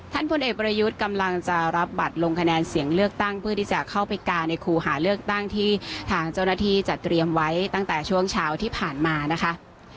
พลเอกประยุทธ์กำลังจะรับบัตรลงคะแนนเสียงเลือกตั้งเพื่อที่จะเข้าไปกาในคู่หาเลือกตั้งที่ทางเจ้าหน้าที่จัดเตรียมไว้ตั้งแต่ช่วงเช้าที่ผ่านมานะคะ